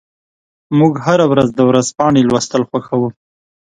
موږ هره ورځ د ورځپاڼې لوستل خوښوو.